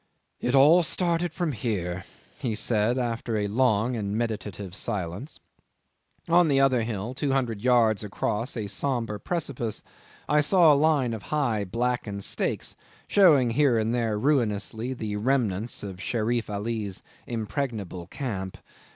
"It all started from here," he said, after a long and meditative silence. On the other hill, two hundred yards across a sombre precipice, I saw a line of high blackened stakes, showing here and there ruinously the remnants of Sherif Ali's impregnable camp.